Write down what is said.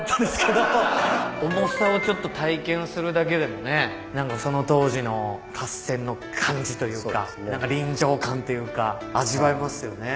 重さをちょっと体験するだけでもね何かその当時の合戦の感じというか臨場感っていうか味わえますよね。